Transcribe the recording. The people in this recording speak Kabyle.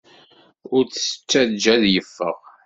Ur t-ttajja ad yeffeɣ.